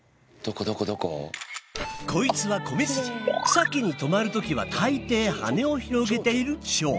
草木にとまる時は大抵はねを広げているチョウ。